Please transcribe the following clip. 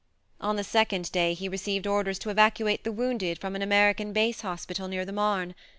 On the second day he received orders to evacuate the wounded from an American base hospital near the Marne.